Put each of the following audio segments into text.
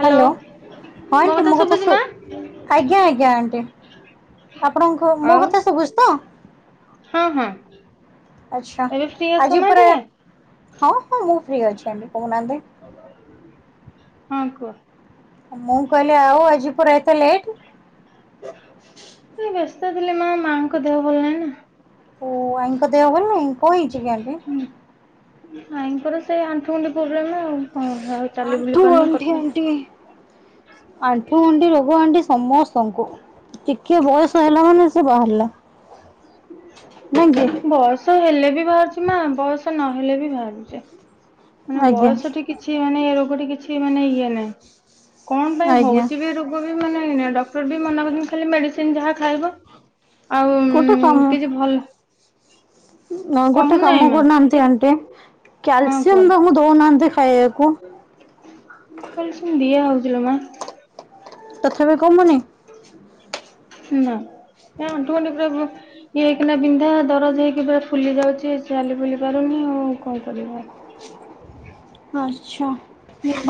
Hello ହଁ aunty ମୋ କଥା ଆଜ୍ଞା ଆଜ୍ଞା ଆଣ୍ଟି ଆପଣଙ୍କ ମୋ ଆଉ କଥା ଶଭୁଛି ତ ହଁ ହଁ ଆଛା ଏବେ ଫ୍ରି ଅଛ ଆଜି ମା ପରା ଟିକେ? ହଁ ହଁ ମୁଁ ଫ୍ରି ଅଛନ୍ତି। କହୁନାହାନ୍ତି। ହଁ କୁହ? ମୁଁ କହିଲି ଆଉ ଆଜି ପୁରା ଏତେ ଲେଟ, ବ୍ୟସ୍ତ, ଥିଲେ ମା ମାଆଙ୍କ ଦେହ ଭଲ ନାହିଁ ନା, ଓ ଆଈଙ୍କ ଦେହ ଭଲ ନାହିଁ କଣ ହେଇଛିିକି ଆଣ୍ଟି? ଭାଇଙ୍କର ସେଇ ଆଣ୍ଠୁ ଗଣ୍ଠି ପ୍ରୋବ୍ଲେମ ଆଉ। ହଁ ଆଉ ଚାଲି ବୁଲି ଆଣ୍ଠୁ ପାରୁନି ଗଣ୍ଠି କଥା ଆଣ୍ଟି ଆଣ୍ଠୁ ଗଣ୍ଠି ରୋଗ ଆଣ୍ଟି ସମସ୍ତଙ୍କୁ ଟିକେ ବୟସ ହେଲା ମାନେ ସେ ବାହାରିଲା [inaudible] ବୟସ ହେଲେ ବି ବାହାରୁଛି ନା ବୟସ ନହେଲେ ବି ବାହାରୁଛି। ମାନେ ଆଜ୍ଞା ବୟସ ଠି କିଛି ମାନେ ଏ ରୋଗଟି କିଛି ମାନେ ଇଏ ନାହିଁ। କଣ ପାଇଁ ଆଜ୍ଞା। ହଉଛି ବି ରୋଗ ବି ବ ମାନେ ଡ଼କ୍ଟର ବି ମନା କରିଚନ୍ତି ଖାଲି ମେଡିସିନ ଯାହା ଖାଇବ ଆଉ କିଛି ଭଲ ଉଁ ନ ଗୋଟେ କମୁନାହିଁ କାମ ମା କରୁନାହାନ୍ତି ଆଣ୍ଟି ହଁ କ୍ୟାଲସିୟମ୍ କୁହନ୍ତୁ। ତାଙ୍କୁ ଦୋଉନାହାନ୍ତି ଖାଇଆକୁ। ଝିଲ ମା ତଥାପି କମୁନି? ନା ଏମତି ଖାଲି ପ୍ରେମ। ସ୍ତ୍ରୀ ହେଇକିନା ଦିନେ ତ ଦରଜ ହେଇକି ପୁରା ଫୁଲି ଯାଉଚି। ଚାଲି ବୁଲି ପାରୁନି ଆଉ କଣ କରିବ। ଆଚ୍ଛା।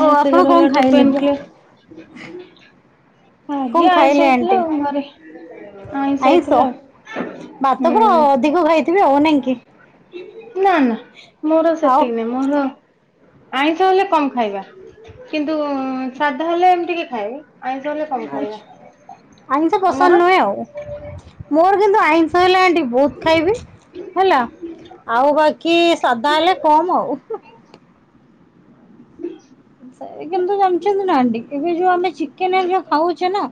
ଓ ଆପଣ ଧଇଲା କଣ ଠୁ ଖାଇଲେ ପେନ୍ ଯେ କ୍ଲିୟର୍ [unintelligible] ଆଜି କଣ ଆଇଁଷ ଖାଇଲେ ହେଇଥିଲା ଆଣ୍ଟି? ଆଉ ଘରେ। ଆଇଁଷ ହେଇଥିଲା ହୁଁ,। ଏ ଅ, ନାହିଁ କି। ନା, ନା। ମୋର ଆଉ ସେତିକି ନାଇ। ମୋର ଆଇଁଷ ହେଲେ କମ ଖାଇବା। କିନ୍ତୁ ଉମ୍, ସାଧା ହେଲେ ଏମିତି କି ଖାଏ। ଆଇଁଷ ହେଲେ କମ ଆଛ୍ ଖାଇବା ଆଇଁଷ ପସନ୍ଦ ତମର? ନୁହେଁ ଆଉ। ମୋର କିନ୍ତୁ ଆଇଁଷ ହେଲେ ଆଣ୍ଟି ବହୁତ ଖାଇବି ହେଲା ଆଉ ବାକି ସାଧା ହେଲେ କମ ଆଉ ହୁ। ସେ କିନ୍ତୁ ଜାଣିଛନ୍ତି ନାଡି କିନ୍ତୁ ଏ ଯୋଉ ଆମେ ଚିକେନ ହେରୀକା ଖାଉଛେ ନା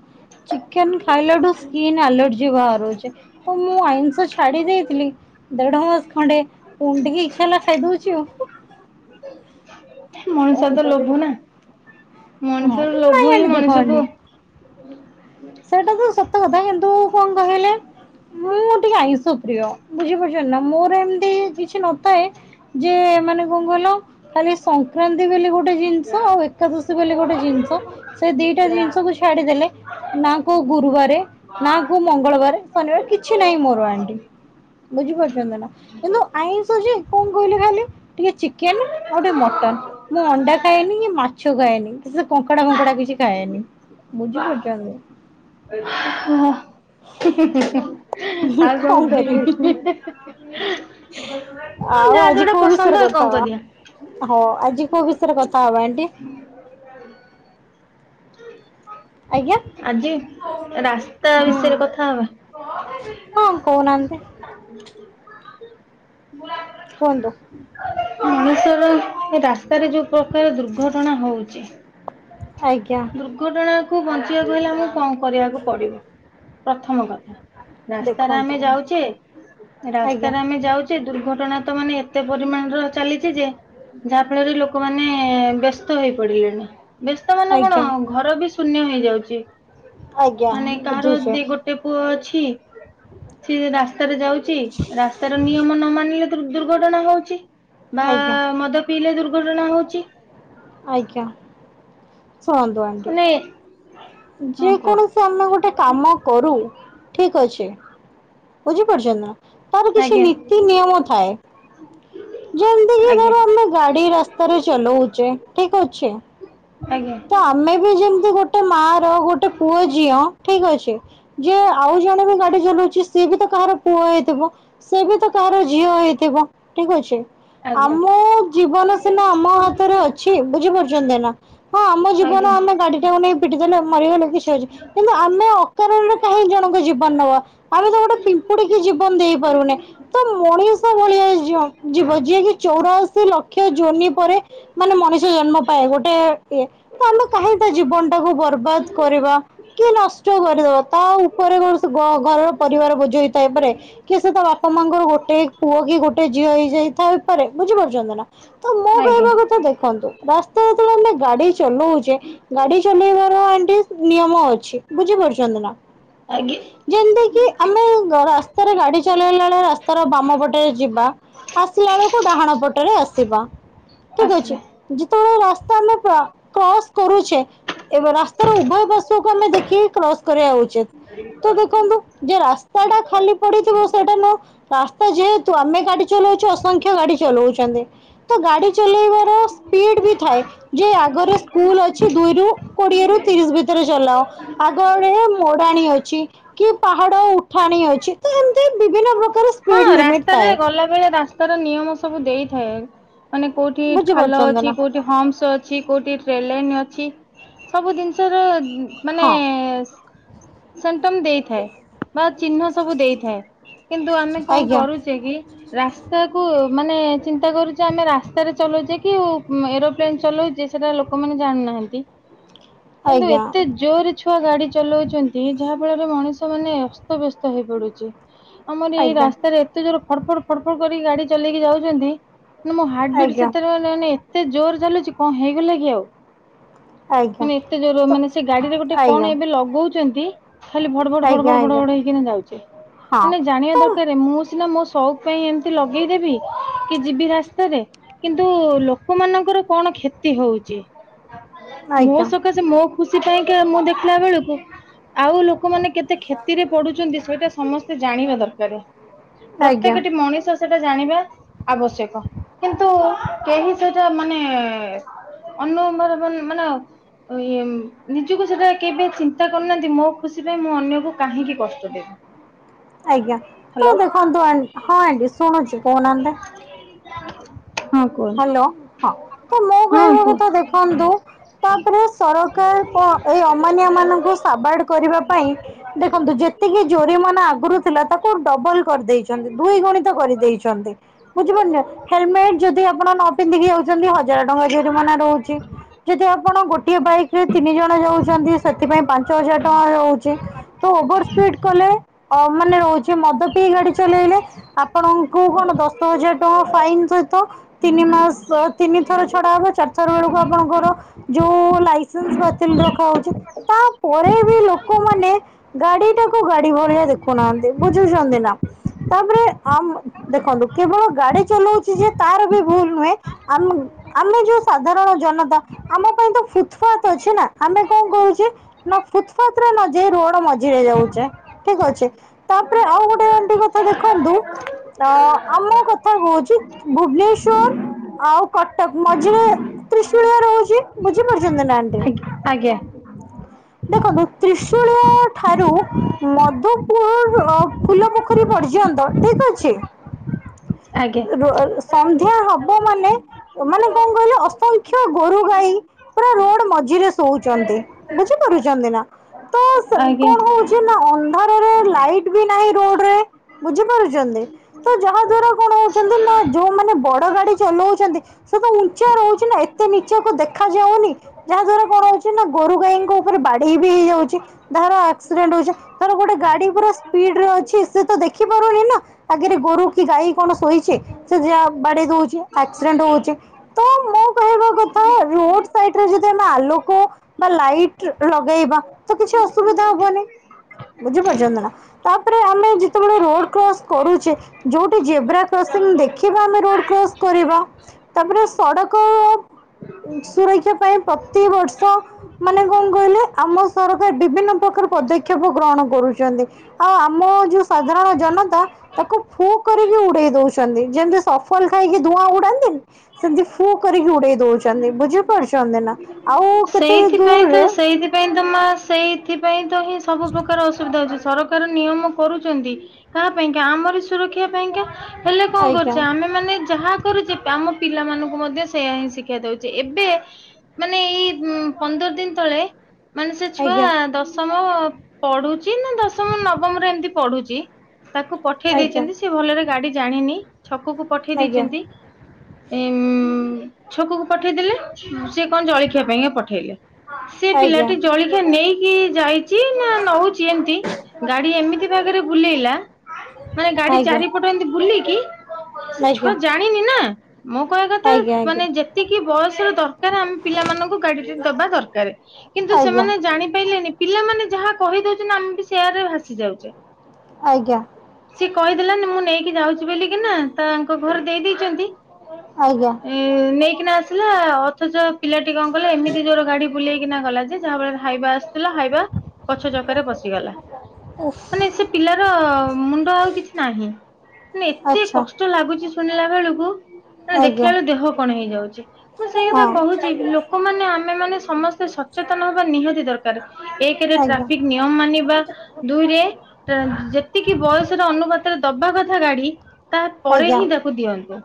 ଚିକେନ ଖାଇଲା ଠୁ ସ୍କିନ୍ ଆଲର୍ଜି ବାହାରୁଛି ତ ମୁଁ ଆଇଁଷ ଛାଡି ଦେଇଥିଲି ଦେଢ ମାସ ଖଣ୍ଡେ ପୁଣି ଟିକେ ଇଛା ହେଲା ଖାଇଦଉଛି ଆଉ। ମଣିଷ କଣ ତ ଲୋଭ କରିବି ନା। ହଁ ମଣିଷର ତ ନାଇ ଏମିତି କହିଲି। ହଁ। ସେଇଟା ତ ସତ କଥା କିନ୍ତୁ କଣ କହିଲେ ମୁଁ ଟିକେ ଆଇଁଷ ପ୍ରିୟ ବୁଝିପାରୁଛ ନା ମୋର ଏମିତି କିଛି ନଥାଏ ଯେ ମାନେ କଣ କହିଲ ଖାଲି ସଂକ୍ରାନ୍ତି ବୋଲି ଗୋଟେ ଜିନିଷ ଆଉ ଏକାଦଶୀ ବୋଲି ଗୋଟେ ଜିନିଷ ସେ ଦିଟା ଜିନିଷକୁ ଛାଡିଦେଲେ ନା କୋଉ ଗୁରୁବାରେ ନା କୋଉ ମଙ୍ଗଳବାରେ ଶନିବାରେ କିଛି ନାହିଁ ମୋର ଆଣ୍ଟି ବୁଝିପାରୁଛନ୍ତି ନା କିନ୍ତୁ ଆଇଁଷ ଯେ କଣ କହିଲୁ ଖାଲି ଟିକେ ଚିକେନ ଆଉ ଟିକେ ମଟନ ମୁଁ ଅଣ୍ଡା ଖାଏନି କି ମାଛ ଖାଏନି। ସେ କଙ୍କଡା କଙ୍କଡା କିଛି ଖାଏନି ବୁଝିପାରୁଛ। ଚାଲୁ। ହା। ଆଉ କଣ କରିବି। ଆଉ ଆଜି କୋ ବିଷୟରେ ଆଉ କଣ କଥା କରିବା। ହବା ହ ଆଜି କଉ ବିଷୟରେ କଥା ହବା ଆଣ୍ଟି। ଆଜ୍ଞା। ଆଜି ରା ତା ହୁଁ ବିଷୟରେ କଥା ହବା। ହଁ କହୁନାହାନ୍ତି? କୁହନ୍ତୁ, ମଣିଷର ରାସ୍ତାରେ ଯୋଉ ପ୍ରକାର ଦୁର୍ଘଟଣା ହଉଛି। ଆଜ୍ଞା ଦୁର୍ଘଟଣା କୁ ବଞ୍ଚିବାକୁ ହେଲେ ଆମକୁ କଣ କରିବାକୁ ପଡିବ ପ୍ରଥମ କଥା। ରାସ୍ତାରେ ଦେଖନ୍ତୁ ଆମେ ଆଜ୍ଞା ଯାଉଛେ ରାସ୍ତାରେ ଆମେ ଯାଉ। ଘଟଣା ତ ମାନେ ଏତେ ପରିମାଣର ଚାଲିଛି ଯେ ଯାହା ଫଳରେ ଲୋକମାନେ। ବ୍ୟସ୍ତ ହେଇ ପଡିଲେଣି ବ୍ୟସ୍ତ ମାନେ କଣ ଆଜ୍ଞା ଘର ବି ଶୂନ୍ୟ ହେଇ। ଯାଉଛି। ଆଜ୍ଞା ମାନେ କାହାର ବୁଝୁଛେ ବି ଗୋଟେ ପୁଅ ଅଛି। ଛି ସିଏ ରାସ୍ତା। ରସ୍ତା ରେ ଯାଉଛି ରାସ୍ତାର ନିୟମ ମା ନ ମାନିଲେ ଦୁର୍ଘଟଣା ହଉଛି। ବା ଆଜ୍ଞା ମଦ ପିଇଲେ ଦୁର୍ଘଟଣା ହଉଛି। ଆଜ୍ଞା ଶୁଣନ୍ତୁ ଆଣ୍ଟି। ମାନେ ହଁ ଯେ କୁହ। କୌଣସି ଆମେ ଗୋଟେ କାମ କରୁ ଠିକ ଅଛି। ବୁଝି ପାରୁଚନ୍ତି ନା। ତାର କିଛି ଆଜ୍ଞା ନୀତି ନିୟମ ଥାଏ। ଯେମିତିକ ଆଜ୍ଞା ଧର ଆମେ ଗାଡି ରାସ୍ତାରେ ଚଲଉଛେ ଠିକ ଅଛି ଆଜ୍ଞା ତ ଆମେ ବି ଯେମିତି ଗୋଟେ ମା ର ଗୋଟେ ପୁଅ ଝିଅ ଠିକ ଅଛି। ଯେ। ଆଉ ଜଣେ ବି ଗାଡି ଚଲଉଛି। ସିଏ ବି ତ କାହାର ପୁଅ ହେଇଥିବ ସେି ବି ତ କାହାର ଝିଅ ହେଇଥିବ ଠିକ ଅଛି। ଛି। ଆଜ୍ଞା ଆମ ଜୀବନ ସିନା ଆମ ହାତରେ ଅଛି ବୁଝିପାରୁଛନ୍ତି ନା। ହଁ ଆମ ଆଜ୍ଞା ଜୀବନ ଆମେ ଗାଡି ଟାକୁ ନେଇ ପିଟି ଦେଲେ ମରିଗଲେ କିଛି ଅଛି କିନ୍ତୁ ଆମେ ଅକାରଣ ରେ କାହିଁ ଜଣଙ୍କ ଜୀବନ ନବା ଆମେ ତ ଗୋଟେ ପିମ୍ପୁଡିକି ଜୀବନ ଦେଇ ପାରୁନେ ତ ମଣିଷ ଭଳିଆ ଜ ଯିବ ଯିଏ କି ଚଉରାଅଶୀ ଲକ୍ଷ ଜୋନି ପରେ ମାନେ ମଣିଷ ଜନ୍ମ ପାଏ ଗୋଟେ। ଇଏ ତ ଆମେ। ଇ ଥାଏ। ବୁଝି ପାରୁଛନ୍ତି ନା ତ ମୋ ଆଜ୍ଞା କହିବା କଥା ଦେଖନ୍ତୁ ରାସ୍ତା ରେ ଯେତେବେଳେ ଆମେ ଗାଡି ଚଲଉଛେ ଗାଡି ଚଲେଇବାର ଗୋଟେ ନିୟମ ଅଛି ବୁଝି ପାରୁଛନ୍ତି ନା। ଆଜ୍ଞା ଯେମିତି କିି ଆମେ ରାସ୍ତାରେ ଗାଡି ଚଲେଇଲା ବେଳେ ରାସ୍ତାର ବାମ ପଟେରେ ଯିବା। ଆସିଲା ବେଳକୁ ଡାହାଣ ପଟରେ ଆସିବା। ଠିକ ଅଛି ଆସିବେ। ଯେତେବେଳେ ରାସ୍ ରାସ୍ତା ଆମେ କ୍ରସ୍ କରୁଛେ ଏବେ ରାସ୍ତାର ଉଭୟ ପଶକୁ ଆମେ ଦେଖିକି କ୍ରସ କରିବା ଉଚିତ। ତ ଦେଖନ୍ତୁ ଯେ ରାସ୍ ସେଇଟା ଖାଲି ପଡିଥିବ ସେଇଟା ନ ରାସ୍ତା ଯେହେତୁ ଆମେ ଗାଡ଼ି ଚଲଉଛି ଅସଂଖ୍ୟ ଗାଡି ଚଲଉଛନ୍ତି। ତ ଗାଡି ଚଲେଇବାର ସ୍ପିଡ ବି ଥାଏ ଯେ ଆଗରେ ସ୍କୁଲ ଅଛି ଦୁଇରୁ କୋଡିଏ ରୁ ତିରିଶ ଭିତରେ ଚଲାଅ। ଆଗଆଡେ ମୋଡାଣୀ ଅଛି। କି ପାହାଡ ଉଠାଣି ଅଛି ତ ଏମତି ବିଭିନ୍ନ ପ୍ରକାର ହଁ ସ୍ପିଡ଼ ଲିମିଟ୍ ରାସ୍ତାରେ ଥାଏ ଗଲା ବେଳେ ରାସ୍ତାର ନିୟମ ସବୁ ଦେଇଥାଏ। ମାନେ କୋଉଠି ଖାଲ ବୁଝିପାରୁଛନ୍ତି ଅଛି, ନା କୋଉଠି ହମ୍ସ ଅଛି କୋଉଠି ଟ୍ରେନଲାଇନ୍ ଅଛି। ସବୁ ଜିନିଷ ରେ ମାନେ ହଁ ସେଣ୍ଟମ ଦେଇଥାଏ ବା ଚିହ୍ନ ସବୁ ଦେଇଥାଏ କିନ୍ତୁ କଣ ଆଜ୍ଞା କରୁଛେ କି ରାସ୍ତାକୁ। ମାନେ ଚିନ୍ତା କରୁଚେ ଆମେ ରା ରାସ୍ତାରେ ଚଲଉଚେ କି ଏରୋପ୍ଲେନ ଚଲଉଚେ ସେଟା ଲୋକମାନେ ଜାଣୁନାହାନ୍ତି। କିନ୍ତୁ ଆଜ୍ଞା ଏତେ ଜୋରେ ଛୁଆ ଗାଡି ଚଲଉଛନ୍ତି ଯାହା ଫଳରେ ମଣିଷ ମାନେ ଅସ୍ତବ୍ୟସ୍ତ ହେଇ ପଡୁଚି। ଆମର ଏଇ ଆଜ୍ଞା ରାସ୍ ଏତେ ଜୋରେ ଫଡ ଫଡ ଫଡ ଫଡ କରିକି ଗାଡି ଚଲେଇକି ଯାଉଛନ୍ତି ମାନେ ମୋ ହାର୍ଟବିଟ ଆଜ୍ଞା ସେତରେ ମାନେ ଏତେ ଜୋରେ ଚାଲୁଚି। କଣ ହେଇଗଲା କି? [unintelligible] ଆଜ୍ଞା ମାନେ ଏତେ ଜୋର ତ ମାନେ ସେ ଗାଡିରେ ଗୋଟେ ଆଜ୍ଞା କଣ ଏବେ ଲଗଉ ଚନ୍ତି ଖାଲି ଭଡ ଭଡ ଭଡ ଆଜ୍ଞା ଭଡ ଭଡ ଆଜ୍ଞା ଭଡ ହେଇକିନା ଯାଉଛି। ହଁ ମାନେ ଜାଣିବା ତ ଦ ମୁଁ ସିନା ମୋ ସଉକ ପାଇଁ ଏମିତି ଲଗେଇଦେବି। କି ଯିବି ରାସ୍ତାରେ, କିନ୍ତୁ ଲୋକମାନଙ୍କର କଣ କ୍ଷତି ହଉଛି? ମୋ ଆଜ୍ଞା ସକାଶେ ମୋ ଖୁସି ପାଇଁକା ମୁଁ ଦେଖିଲା ବେଳକୁ ଆଉ ଲୋକମାନେ କେତେ କ୍ଷତିରେ ପଡୁଛନ୍ତି ସେଇଟା ସମସ୍ତେ ଜାଣିବା ଦରକାର। ଆଜ୍ଞା ପ୍ରତ୍ୟେକଟି ମଣିଷ ସେଟା ଜାଣିବା ଆବଶ୍ୟକ କିନ୍ତୁ କେହି ସେଇଟା ମାନେ ଅନ ମାନେ ନିଜକୁ ସେଟା କେବେ ଚିନ୍ତା କରୁନାହାନ୍ତି ମୋ ଖୁସି ପାଇଁ ମୁଁ ଅନ୍ୟକୁ କାହିଁକି କଷ୍ଟ ଦେବି। ଆଜ୍ଞା [unintelligible] ତ ଦେଖନ୍ତୁ, ହଁ ଆଜ୍ଞା ଶୁଣୁଛି କହୁନାହାନ୍ତି। [unintelligible] କୁହନ୍ତୁ। ହ୍ୟାଲୋ ହଁ ତ ମୋ ହଁ କହିବା କୁହ କଥା ଦେଖନ୍ତୁ ତାପରେ ସରକାର କଣ ଏଇ ଅମାନିଆ ମାନଙ୍କୁ ସାବାଡ କରିବା ପାଇଁ ଦେଖନ୍ତୁ ଯେତିକି ଜୋରିମାନ ଆଗରୁ ଥିଲା ତାକୁ ଡବଲ କରିଦେଇଛନ୍ତି। ଦୁଇ ଗୁଣିତ କରିଦେଇଛନ୍ତି। ବୁଝିପରି ଲେ ହେଲମେଟ ଯୋ ଯଦି ଆପଣ ନ ପିନ୍ଧିକି ଯାଉଛନ୍ତି ହଜାର ଟଙ୍କା ଜୋରିମନା ରହୁଛି। ଯଦି ଆପଣ ଗୋଟିଏ ବାଇକ ରେ ତିନି ଜଣ ଯାଉଛନ୍ତି ସେଥିପାଇଁ ପାଞ୍ଚ ହଜାର ଟଙ୍କା ରହୁଛି। ତ ଓଭର ସ୍ପିଡ କଲେ ମାନେ ହୋଉଛି ମାନେ ମଦ ଗାଡି ଚଲେଇଲେ ଆପଣଙ୍କୁ କଣ ଦଶ ହଜାର ଟଙ୍କା ଫାଇନ୍ ସେ ତିନି ମାସ ତିନି ଥର ଛଡା ହବ ଚାରିଥର ବେଳକୁ ଆପଣଙ୍କର ଯୋଉ [unintelligible] ବା ରଖା ହଉଚି ତା ପରେ ବି ଲୋକମାନେ ଗାଡି ଟା କୁ ଗାଡି ଭଳିଆ ଦେଖୁନାହାନ୍ତି ବୁଝୁଚନ୍ତି ନା। ତାପରେ ଆମ ଦେଖନ୍ତୁ କେବଳ ଗାଡି ଚଲାଉଚି ଯିଏ ତାର ବି ଭୁଲ ନୁହେଁ ଅମ ଆମେ ଯୋଉ ସାଧାରଣ ଜନତା ଆମ ପାଇଁ ତ ଫୁତୁପାଥ ଅଛି ନା ଆମେ କଣ କରୁଛେ ନା ଫୁତୁପାଥରେ ନ ଯାଇ ରୋଡ ମଝିରେ ଯାଉଚେ ଠିକ ଅଛି ତାପରେ ଆଉ ଗୋଟେ ଏ କଥା ଦେଖନ୍ତୁ ଅ ଆମ କଥା କହୁଛି ଭୁବନେଶ ଶ୍ୱର ଆଉ କଟକ ମଝିରେ ତ୍ରିସୁଳିଆ ରହୁଚି ବୁଝି ପାରୁଚନ୍ତି ନା ଆଣ୍ଟି? ଆଜ୍ଞା। ଦେଖନ୍ତୁ ତ୍ରିଶୁଳିଆ ଠାରୁ ମଧୁପୁର ଫୁଲ ପୋଖରୀ ପର୍ଯ୍ୟନ୍ତ ଠିକ ଅଛି। ଆଜ୍ଞା ଆଜ୍ଞା ର ଅ ସନ୍ଧ୍ ହବ ମାନେ ମାନେ କଣ କହିଲେ ଅସଂଖ୍ୟ ଗୋରୁ ଗାଈ ପୁରା ରୋଡ ମଝିରେ ଶୋଉଛନ୍ତି ବୁଝି ପାରୁଛନ୍ତି ନା। ତ ସେ ଆଜ୍ଞା। କଣ ହଉଛି ନା ଅ ଅନ୍ଧାର ର ଲାଇଟ ବି ନାହିଁ ରୋଡରେ ବୁଝିପାରୁଛନ୍ତି ତ ଯାହା ଦ୍ଵାରା କଣ ଯୋଉ ମ ବଡ ଗାଡି ଚଲଉଛନ୍ତି ସେ ତ ଉଚା ରହୁଛି ନା ଏତେ ନିଚକୁ ଦେଖ ଯାଉନି ଯାହା ଦ୍ଵାରା କଣ ହଉଛି ନା ଗୋରୁ ଗାଈଙ୍କ ଉପରେ ବାଡେଇ ବି ହେଇଯାଉଛି କାହାର ଆକ୍ସିଡେଣ୍ଟ ହଉଛି ଧର ଗୋଟେ ଗାଡି ପୁରା ସ୍ପିଡରେ ଅଛି ସେ ତ ଦେଖି ପାରୁନି ନା ଆଗରେ ଗୋରୁ କି ଗାଈ କଣ ସୋଇ ଚି ସେ ଜା ବଡେଇ ଦଉଛି ଆକ୍ସିଡେଣ୍ଟ ହଉଚି ତ ମୋ କହିବା କଥା ଯ ଆମେ ଆଲୋକ ବା ଲାଇଟ ଲଗେଇବା ତ କିଛି ଅସୁବିଧା ହବନି ବୁଝିପାରୁଛନ୍ତି ନା ତାପରେ ଆମେ ଯେତେବେଳେ ରୋଡ କ୍ରସ କରୁଛେ ଯୋଉଠି ଜେବ୍ରା କ୍ର ଦେଖିବା ଆମେ ରୋଡ କ୍ରସ୍ କରିବା ତାପରେ ସଡ଼କ ସୁରକ୍ଷା ପାଇଁ ପ୍ରତିବର୍ଷ ମାନେ କଣ କହିଲେ ଆମ ସରକାର ବିଭିନ୍ନ ପ୍ରକାର ପଦକ୍ଷେପ ଗ୍ରହଣ କରୁଛନ୍ତି ଆଉ ଆମ ଯୋଉ ସାଧାରଣ ଜନତା ତାକୁ ଫୋ କରିକି ଉଡେଇ ଦଉଛ ଯେମତି ସଫଲ ଖାଇକି ଧୂଆଁ ଉଡାନ୍ତିନି ସେମିତି ଫୁ କରିକି ଉଡେଇ ଦଉଛନ୍ତି ବୁଝି ପାରୁଛନ୍ତି ନା। [unintelligible] କେତେ ସେଇଥିପାଇଁ ତ ଦୂରରେ ସେଇଥିପାଇଁ ତ ମା ସେଇଥିପାଇଁ ତ ହିଁ ସବୁ ପ୍ରକାର ଅସୁବିଧା। ସରକାର ନିୟମ କରୁଛନ୍ତି କାହା ପାଇଁକା ଆମର ସୁରକ୍ଷା ପାଇଁକା। ହେଲେ କଣ ଆଜ୍ଞା କରୁଛେ ଆମେ ମାନେ ଯାହା କରୁଛି ଆମ ପିଲାମାନଙ୍କୁ ମଧ୍ୟ ସେଇୟା ହିଁ ଶିକ୍ଷା ଦଉଛି ଏବେ ମାନେ ଏଇ ଉଁ ପନ୍ଦର ଦିନ ତଳେ ମାନେ ସେ ଛୁଆ ଆଜ୍ଞା ଦଶମ ପଢୁଛି ନା ଦଶମ ନବମରେ ଏମତି ପଢୁଛି। ତାକୁ ପଠେଇ ଆଜ୍ଞା ଦେଇଛନ୍ତି ସି ଭଲରେ ଗାଡି ଜାଣିନି। ଛକକୁ ପଠେଇ ଦେଇଛନ୍ତି ଏ ଉ ଛକକୁ ପଠେଇଦେଲେ ସିଏ କଣ ଜଳିଖିଆ ପାଇଁକା ପଠେଇଲେ ସେ ଆଜ୍ଞା ପିଲାଟି ଜଳିଖିଆ ନେଇକି ଯାଇ ନା ନଉଛି ଏମିତି ଗାଡି ଏମିତି ଭାଗରେ ବୁଲେଇଲା ମାନେ ଗାଡି ଆଜ୍ଞା ଚାରିପଟ ଏମିତି ବୁଲିକି ସେ ଛୁଆ ଆଜ୍ଞା ଆଜ୍ଞା ଜାଣିନି ନା ମୋ କହିବା କଥା ଆଜ୍ଞା ମାନେ ଯେତିକି ବୟସ ର ଦରକାର ଆମେ ପିଲାମାନଙ୍କୁ ଦବା ଦରକାର। କିନ୍ତୁ ଆଜ୍ଞା ଆଜ୍ଞା ସେମାନେ ଜାଣିପାରିଲେନି ପିଲାମାନେ ଯାହା କହିଦଉଛନ୍ତି ନା ଆମ ବି ସେୟାର ରେ ଭାସି ଯାଉଛେ। ଆଜ୍ଞା। ସେହୀ କହିଦେଲା ମୁଁ ନେଇକି ଯାଉଛି ବୋଲିକିନା ତା ତାଙ୍କ ଘରେ ଦେଇ ଦେଇଛନ୍ତି। ଆଜ୍ଞା। ନେଇକିନା ଆସିଲା ଅଥଚ ପିଲା [unintelligible] ଏମତି ଜୋର ଗାଡି ବୁଲେଇକିନା ଗଲା ଯେ ଯାହାଳରେ ହାଇବାସ ହାଇବା ଗଛ ଚକାରେ ବସିଗଲା। ମାନେ ସେ ପିଲାର ମୁଣ୍ଡ ଆଉ କିଛି ନାହିଁ। ମେ ଏତେ ଆଚ୍ଛା କଷ୍ଟ ଲାଗୁଛି ଶୁଣିଲା ବେଳୁକୁ ମ ଦେଖିଲା ବେଳ ଦେହ କଣ ହେଇଯାଉଛି। ମୁଁ ସେଇ ଆଜ୍ଞା କଥା କହୁଛି ହଁ ଲ ଆମେ ମାନେ ସମସ୍ତେ ସଚେତନ ହବା ନିହାତି ଦରକାର। ଏକରେ ଆଜ୍ଞା ଟ୍ରାଫିକ ନିୟମ ମାନିବା ଦୁଇରେ ଯେତିକି ବୟସର ଅନୁପାତରେ ଦବା କଥା ଗାଡି ତାପରେ ଆଜ୍ଞା ହିଁ ତାକୁ ଦିଅନ୍ତୁ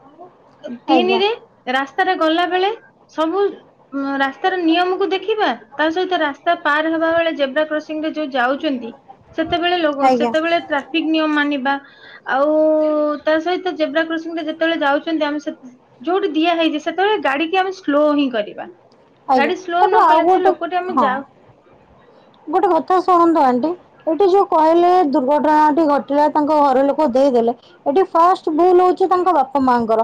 ଆଜ୍ଞା ତିନିରେ ରା ଗଲାବେଳେ ସବୁ ରାସ୍ତାର ନିୟମକୁ ଦେଖିବା ତା ସହିତ ରାସ୍ତା ପାର ହେବା ବେଳେ ଜେବ୍ରା କ୍ରସିଂରେ ଯଉ ଯାଉଛନ୍ତି ସେତେବେଳେ ଆଜ୍ଞା ସେତେବେଳେ ଟ୍ରାଫିକ ନିୟମ ମାନିବା ଆଉ ତା ସହିତ ଯେବ୍ରା କସିଂରେ ଯେତେବେଳେ ଯାଉଛନ୍ତି ଆମେ ଯୋଉଠିଆ ହେଇଛି ସେତେବେଳେ ଗାଡିିକ ଆମେ ସ୍ଲୋ ହିଁ କରିବ। ବା ଆଜ୍ଞା ତାପରେ ଆଉ ଗୋଟେ ହଁ ଯାଉ [inaudible] ଗୋଟେ କଥା ଶୁଣନ୍ତୁ। [unintelligible] ଏଠି ଯୋଉ କହିଲେ ଦୁର୍ଘଟଣାଟି ଘଟିଲା ତାଙ୍କ ଘରେ ଲୋକ ଦେଇଦେଲେ ଏଠି ଫାଷ୍ଟ ଭୁଲ ହଉ ତାଙ୍କ ବାପା ମାଙ୍କର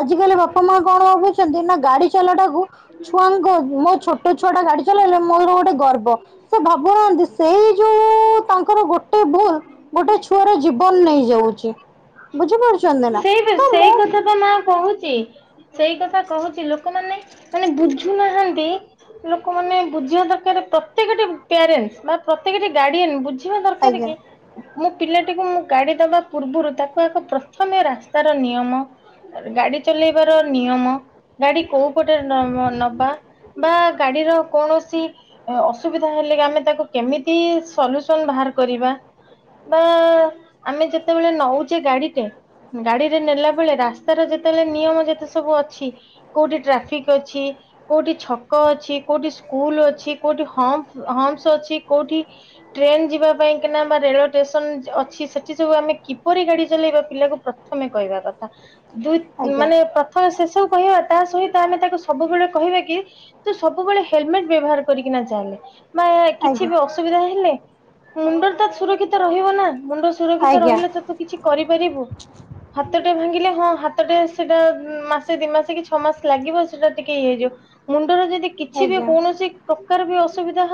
ଆଜିକାଲି ବାପା ମା କଣ ଭାବୁଛି। ଛନ୍ତି ନା ଗାଡି ଚାଲଟାକୁ ଛୁଆଙ୍କ ମୋ ଛୋଟ ଛୁଆ ଟା ଗାଡି ଚଲେଇଲେ ମୋର ଗୋଟେ ଗର୍ବ ସେ ଭାବୁନାହାନ୍ତି ସେଇ ଯୋଉ ତାଙ୍କର ଗୋଟେ ଭୁଲ ଗୋଟେ ଛୁଆର ଜୀବନ ନେଇଯାଉଛି। ବୁଝିପାରୁଛ ସେଇ ସେଇ କଥା ତ ମା କହୁଛି। ସେଇ କଥା କହୁଛି ଲୋକମାନେ ମାନେ ବୁଝୁନାହାନ୍ତି। ଲୋକମାନୋନ ବୁଝିବା ଦରକାର ପ୍ରତ୍ୟେକଟି ପ୍ୟାରେଣ୍ଟସ ବା ପ୍ରତ୍ୟେକଟି ଗାର୍ଡିଆନ ବୁଝିବା ଦରକାର ଆଜ୍ଞା କି ମୁଁ ପିଲାଟିକୁ ମୁଁ ଗାଡ଼ି ଦେବା ପୂର୍ବରୁ ତାକୁ ଏକ ପ୍ରଥମେ ରାସ୍ତାର ନିୟମ ଗାଡି ଚଲେଇବାର ନିୟମ ଗାଡି କୋଉ ପଟେ ନବା ବା ଗାଡିର କୌଣସି ଅସୁବିଧା ହେଲେ କି ଆମେ ତାକୁ କେମିତି ସଲ୍ୟୁସନ ବାହାର କରିବା ବା ଆମେ ଯେତେବେଳେ ନଉଛେ ଗାଡିଟେ ଗାଡିରେ ନେଲା ବେଳେ ରାସ୍ତାର ଯେତେବେଳେ ନିୟମ ଯେତେ ସବୁ ଅଛି। କୋଉଠି ଟ୍ରାଫିକ ଅଛି। କୋଉଠି ଛକ ଅଛି। କୋଉଠି ସ୍କୁଲ ଅଛି। କୋଉଠି ହ ହୋମସ ଅଛି। କୋଉଠି ଟ୍ରେନ ଯିବା ପାଇଁ କିନା ବା ରେଳ ଷ୍ଟେସନ ଅଛି। ସେଠି ସବୁ ଆମେ କିପରି ଗାଡି ଚଲେଇବା ପିଲାକୁ ପ୍ରଥମେ କହିବା କଥା ଦୁଇ ଆଜ୍ଞା ମାନେ ପ୍ରଥମେ ଶେଷ। କହିବା ତା ସହିତ ଆମେ ତାକୁ ସବୁବେଳେ କହିବା କି ତୁ ସବୁବେଳେ ହେଲମେଟ ବ୍ୟବହାର କରିକିନା ଚାଲେ। ମା କିଛି ଆଜ୍ଞା ବି ଅସୁବିଧା ହେଲେ। ମୁଣ୍ଡ ତ ସୁରକ୍ଷିତ ରହିବନା। ମୁଣ୍ଡ ସୁରକ୍ଷିତ ଆଜ୍ଞା ରହିଲେ ତ ତୁ କିଛି କରି। କରିବୁ। ହାତଟେ ଭାଙ୍ଗିଲେ ହଁ ହାତଟେ ସେଟା ମାସେ ଦି ମାସେ କି ଛଅ ମାସ ଲାଗିବ ସେଟା ଟିକେ ଇଏ ହେଇଯିବ ମୁଣ୍ଡରେ ଯଦି। କିଛି ବି ଆଜ୍ଞା। କୌଣସି। [unintelligible] ଅସୁବିଧା।